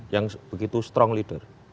yang begitu strong leader